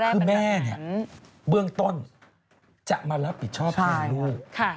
คือแม่เนี่ยเบื้องต้นจะมารับผิดชอบแทนลูก